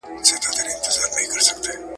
لکه غشې هسي تښتي له مکتبه !.